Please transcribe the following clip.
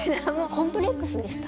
コンプレックスでした